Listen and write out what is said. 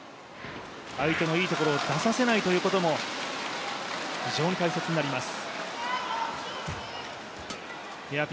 相手のいいところを出させないということも、非常に大切になります。